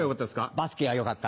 バスケが良かった。